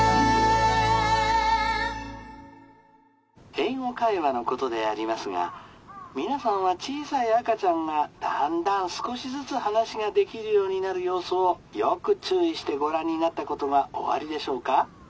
・「英語会話のことでありますが皆さんは小さい赤ちゃんがだんだん少しずつ話ができるようになる様子をよく注意してご覧になったことがおありでしょうか？